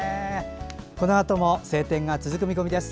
このあとも晴天が続く見込みです。